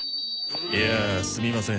やあすみません。